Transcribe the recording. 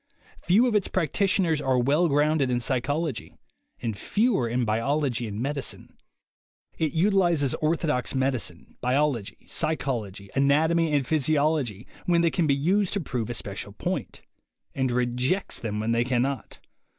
Few of its practitioners are well grounded in psychology, and fewer in biology and medicine. It utilizes orthodox medicine, biology, psychology, anatomy and physiology when they can be used to prove a special point, and rejects them when they can not.